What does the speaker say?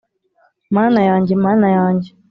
mana yanjye, mana yanjye